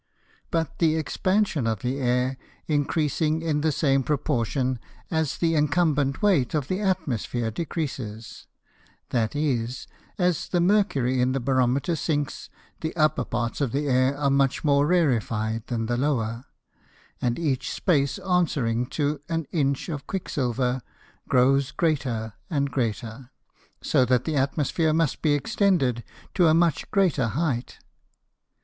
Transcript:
But the Expansion of the Air increasing in the same proportion as the incumbent weight of the Atmosphere decreases; that is, as the Mercury in the Barometer sinks; the upper Parts of the Air are much more rarified than the lower, and each Space answering to an Inch of Quicksilver, grows greater and greater; so that the Atmosphere must be extended to a much greater height.